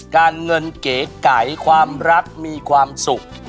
การเงินเก๋ไก่ความรักมีความสุข